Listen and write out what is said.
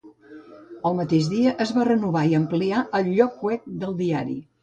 El mateix dia, es va renovar i ampliar el lloc web del diari.